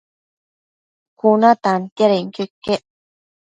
Cuna tantiadenquio iquec